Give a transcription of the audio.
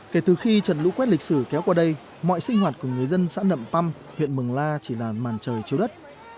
kể từ khi trận lũ quét lịch sử kéo qua đây mọi sinh hoạt của người dân xã nậm păm huyện mường la chỉ là màn trời chiếu đất